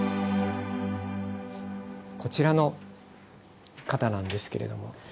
こちらの方なんですけれども。